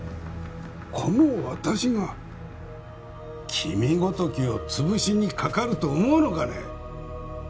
この私が君ごときをつぶしにかかると思うのかね？